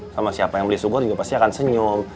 sama siapa yang beli subur juga pasti akan senyum